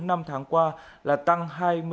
trong năm tháng qua là tăng hai mươi hai một